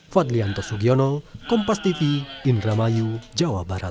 fadlianto sugiono kompas tv indramayu jawa barat